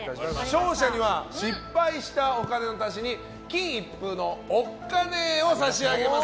勝者には失敗したお金の足しに金一封のおっ金を差し上げます。